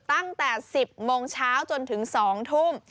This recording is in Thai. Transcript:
ตั้งแต่๑๐โมงเช้าจนถึง๒ทุ่ม